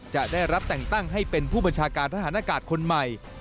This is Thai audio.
จะได้รับแต่งตั้งให้เป็นผู้บัญชาการทหารอากาศคนใหม่